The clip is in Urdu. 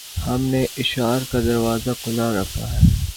ہم نے اشعار کا دروازہ کھُلا رکھا ہے